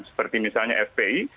seperti misalnya fpi